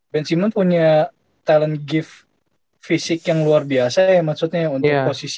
ben simmons punya talent gift fisik yang luar biasa ya maksudnya untuk posisi